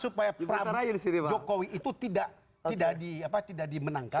supaya jokowi itu tidak dimenangkan